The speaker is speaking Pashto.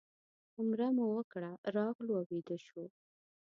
عمره مو وکړه راغلو او ویده شوو.